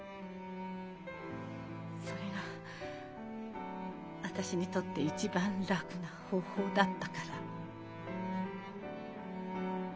それが私にとって一番楽な方法だったから。